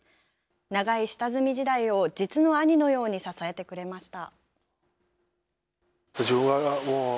長い下積み時代を実の兄のように支えてくれました。